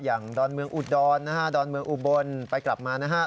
อย่างดอนเมืองอุดดอนดอนเมืองอุบลไปกลับมานะครับ